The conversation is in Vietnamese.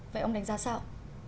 vậy ông đánh giá sao